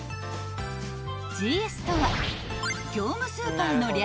［「ＧＳ」とは「業務スーパー」の略］